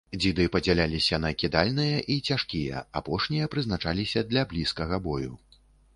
Дзіды падзяляліся на кідальныя і цяжкія, апошнія прызначаліся для блізкага бою.